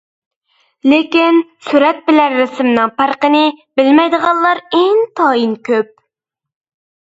لېكىن سۈرەت بىلەن رەسىمنىڭ پەرقىنى بىلمەيدىغانلار ئىنتايىن كۆپ.